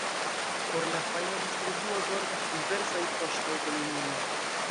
Por la fajna distribuo zorgas diversaj poŝtaŭtolinioj.